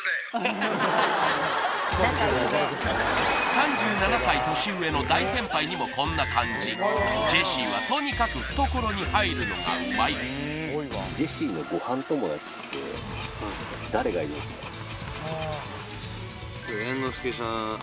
３７歳年上の大先輩にもこんな感じジェシーはとにかく懐に入るのがうまい猿之助さん